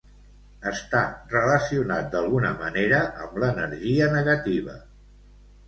Està relacionat d'alguna manera amb l'energia negativa.